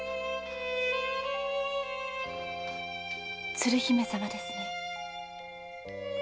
鶴姫様ですね？